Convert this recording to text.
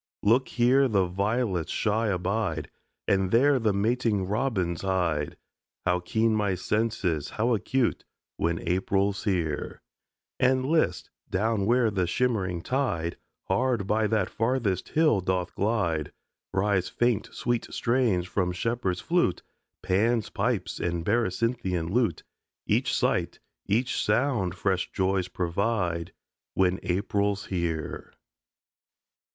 Look, here the violets shy abide And there the mating robins hide How keen my senses, how acute, When April's here! And list! down where the shimmering tide Hard by that farthest hill doth glide, Rise faint sweet strains from shepherd's flute, Pan's pipes and Berecynthian lute. Each sight, each sound fresh joys provide When April's here.